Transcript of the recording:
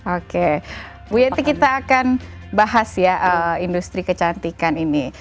oke ibu yeti kita akan bahas industri kecantikan ini